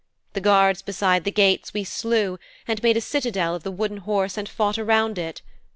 The guards beside the gates we slew and we made a citadel of the Wooden Horse and fought around it.